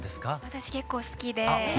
私結構好きで。